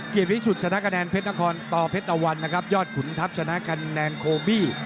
วิสุทธิชนะคะแนนเพชรนครต่อเพชรตะวันนะครับยอดขุนทัพชนะคะแนนโคบี้